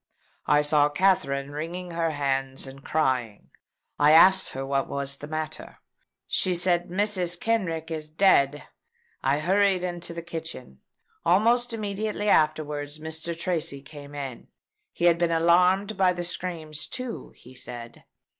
I saw Katherine wringing her hands and crying. I asked her what was the matter? She said, 'Mrs. Kenrick is dead.' I hurried into the kitchen. Almost immediately afterwards Mr. Tracy came in. He had been alarmed by the screams too, he said.